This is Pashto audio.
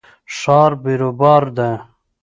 ښار بیروبار ده